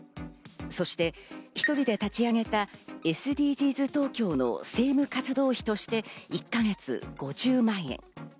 そして１人で立ち上げたＳＤＧｓ東京の政務活動費として１か月５０万円。